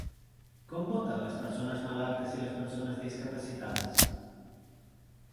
Com voten les persones malaltes i les persones discapacitades?